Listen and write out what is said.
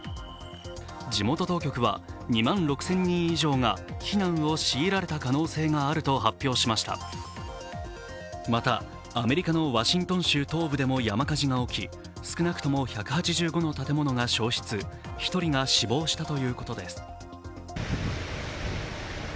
地元当局は２万６０００人以上が避難を強いられた可能性があると発表しましたまた、アメリカのワシントン州東部でも山火事が起き、少なくとも１８５の建物が焼失、１人が死亡したということです。